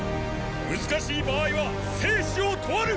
難しい場合は生死を問わぬ！